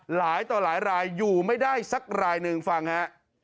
หลายต่อหลายรายอยู่ไม่ได้สักรายหนึ่งฟังฮะ